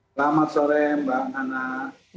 selamat sore mbak nana